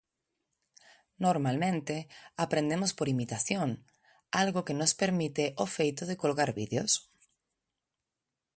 Normalmente, aprendemos por imitación, algo que nos permite o feito de colgar vídeos.